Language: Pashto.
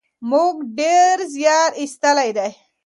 موږ ډېر زیار ایستلی دی.